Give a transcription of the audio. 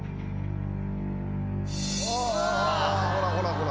ほらほらほら！